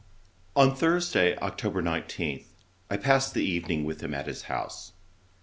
On Thursday, October 19, I passed the evening with him at his house.